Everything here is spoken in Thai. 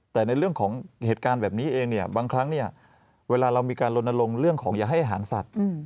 แต่ในเรื่องของเหตุการณ์แบบนี้เองเนี่ยบางครั้งเนี่ยเวลาเรามีการลนลงเรื่องของอย่าให้อาหารสัตว์